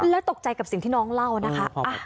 แล้วตกใจกับสิ่งที่น้องเล่านะคะ